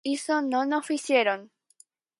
Iso non o fixeron.